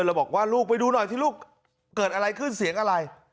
แล้วบอกว่าลูกไปดูหน่อยสิลูกเกิดอะไรขึ้นเสียงอะไร